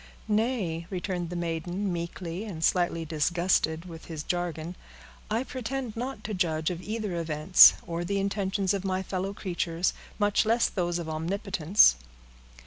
"Nay," returned the maiden, meekly, and slightly disgusted with his jargon, "I pretend not to judge of either events, or the intentions of my fellow creatures, much less of those of Omnipotence."